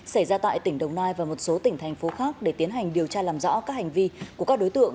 xảy ra tại tỉnh đồng nai và một số tỉnh thành phố khác để tiến hành điều tra làm rõ các hành vi của các đối tượng